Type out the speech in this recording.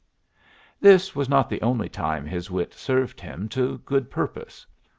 This was not the only time his wit served him to good purpose.